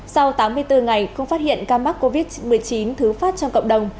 sau tám mươi bốn ngày không phát hiện ca mắc covid một mươi chín thứ phát trong cộng đồng